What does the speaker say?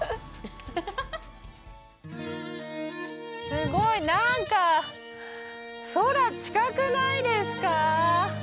すごい、なんか空近くないですか。